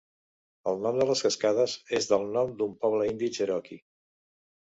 El nom de les cascades és del nom d'un poble indi cherokee.